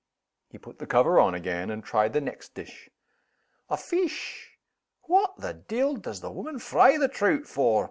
He put the cover on again, and tried the next dish. "The fesh? What the de'il does the woman fry the trout for?